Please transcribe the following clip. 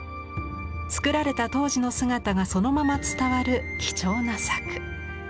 作られた当時の姿がそのまま伝わる貴重な作。